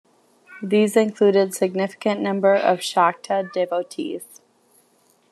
These included significant number of Shakta devotees.